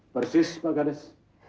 tentu saja pak gades